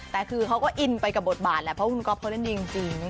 แต่คือเขาก็อินไปกับบทบาทแหละเพราะคุณก๊อฟเขาเล่นดีจริง